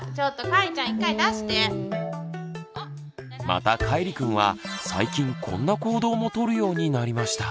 またかいりくんは最近こんな行動も取るようになりました。